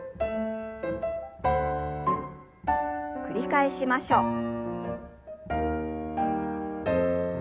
繰り返しましょう。